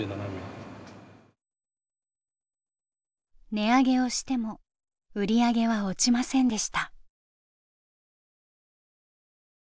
値上げをしても売り上げは落ちませんでした。